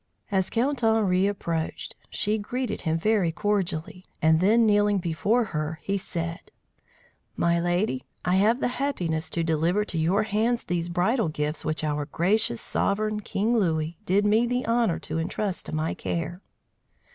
As Count Henri approached, she greeted him very cordially; and then, kneeling before her, he said: "My Lady, I have the happiness to deliver to your hands these bridal gifts which our gracious sovereign, King Louis, did me the honour to entrust to my care."